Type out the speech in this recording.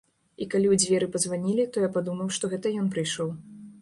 І калі ў дзверы пазванілі, то я падумаў, што гэта ён прыйшоў.